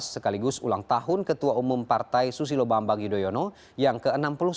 sekaligus ulang tahun ketua umum partai susilo bambang yudhoyono yang ke enam puluh sembilan